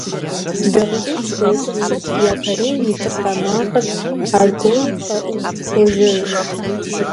ДакъикъипщӀ докӀри, япэрейм и тӀыркъэ макъыр аргуэру къэӀуу хуожьэж.